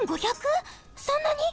そんなに！？